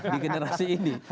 di generasi ini